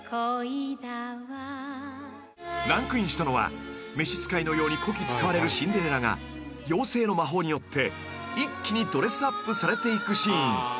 ［ランクインしたのは召し使いのようにこき使われるシンデレラが妖精の魔法によって一気にドレスアップされていくシーン］